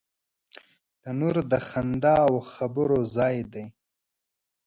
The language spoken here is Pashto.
تنور د خندا او خبرو ځای دی